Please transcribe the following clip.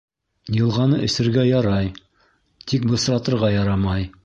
Йылғаны эсергә ярай, тик бысратырға ярамай.